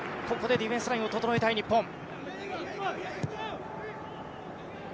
ここでディフェンスラインを整えたい日本。